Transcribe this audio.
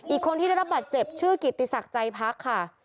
อีกคนที่ได้รับบัตรเจ็บชื่อกิติศักดิ์ใจพักค่ะ